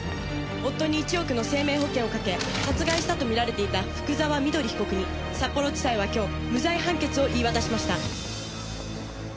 夫に１億の生命保険をかけ殺害したと見られていた福沢美登里被告に札幌地裁は今日無罪判決を言い渡しました。